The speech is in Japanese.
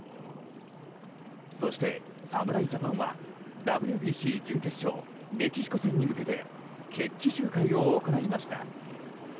そして、侍ジャパンはＷＢＣ準決勝メキシコ戦に向けて決起集会を行いました。